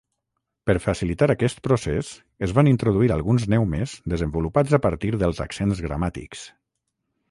Per facilitar aquest procés, es van introduir alguns neumes desenvolupats a partir dels accents gramàtics.